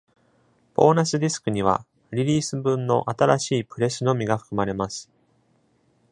ボーナスディスクには、リリース分の新しいプレスのみが含まれます。